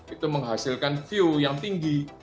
itu menghasilkan view yang tinggi